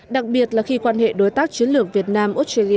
đặc biệt là khi quan hệ đối tác chiến lược việt nam australia